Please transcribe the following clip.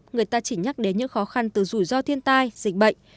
người ta chỉ nhắc đến những khó khăn từ rủi ro thiên tai dịch bệnh